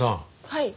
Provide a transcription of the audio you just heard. はい。